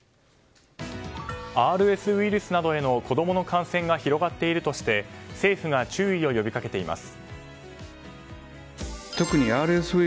ＲＳウイルスなどへの子供の感染が広がっているとして政府が注意を呼び掛けています。